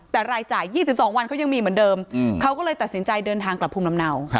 แต่รายจ่าย๒๒วันเขายังมีเหมือนเดิมเขาก็เลยตัดสินใจเดินทางกลับภูมิลำเนา